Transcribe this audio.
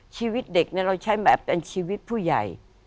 ชีวิตเด็กเราใช้แบบเป็นชีวิตผู้ใหญ่